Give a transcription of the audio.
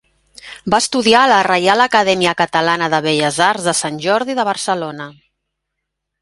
Va estudiar a la Reial Acadèmia Catalana de Belles Arts de Sant Jordi de Barcelona.